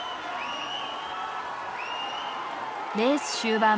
レース終盤画面